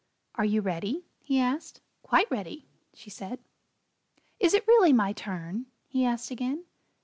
"Are you ready?" he asked. "Quite ready," she said. "Is it really my turn?" he asked again.